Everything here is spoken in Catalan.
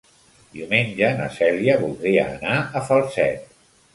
Diumenge na Cèlia voldria anar a Falset.